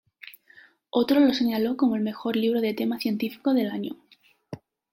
Otro lo señaló como el mejor libro de tema científico del año.